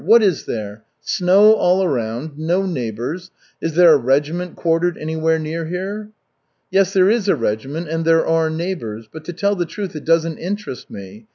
What is there? Snow all around, no neighbors. Is there a regiment quartered anywhere near here?" "Yes, there is a regiment and there are neighbors; but, to tell the truth, it doesn't interest me.